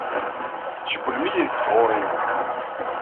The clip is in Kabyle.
Tcewwlem-iyi deg tɣuri-inu.